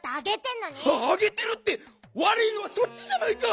「あげてる」ってわるいのはそっちじゃないか！